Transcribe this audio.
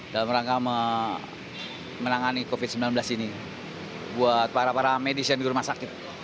dalam rangka menangani covid sembilan belas ini buat para para medis yang jurumasak